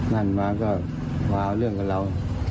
นั่นมาก็มาเอาเรื่องกับเรา